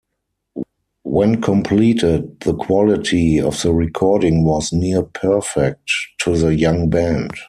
When completed, the quality of the recording was "near perfect" to the young band.